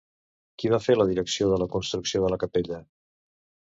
Qui va fer la direcció de la construcció de la capella?